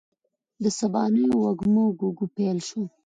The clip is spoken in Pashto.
د سبانیو وږمو ږوږ پیل شو